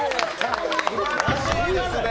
すばらしいですね！